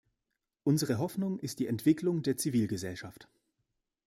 Unsere Hoffnung ist die Entwicklung der Zivilgesellschaft.